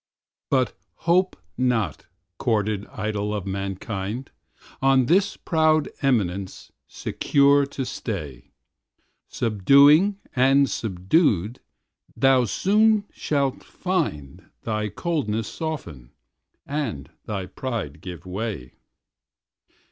But hope not, courted idol of mankind, On this proud eminence secure to stay; Subduing and subdued, thou soon shalt find Thy coldness soften, and thy pride give way.